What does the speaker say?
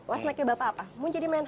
wasnek bapak apa